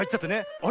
「あれ？